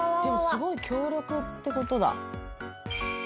でもすごい強力って事だ。